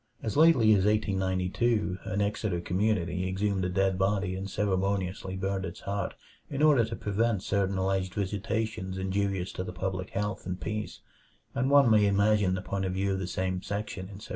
As lately as 1892 an Exeter community exhumed a dead body and ceremoniously burnt its heart in order to prevent certain alleged visitations injurious to the public health and peace, and one may imagine the point of view of the same section in 1768.